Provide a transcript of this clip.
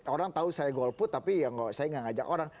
orang tahu saya golput tapi saya tidak mengajak orang